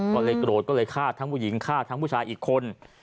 ก็เลยโกรธก็เลยฆ่าทั้งผู้หญิงฆ่าทั้งผู้ชายอีกคน